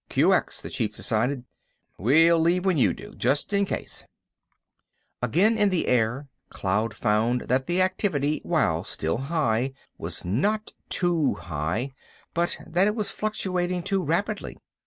"QX," the Chief decided. "We'll leave when you do—just in case." Again in air, Cloud found that the activity, while still high, was not too high, but that it was fluctuating too rapidly.